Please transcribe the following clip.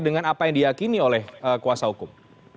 dengan apa yang diakini oleh kuasa hukum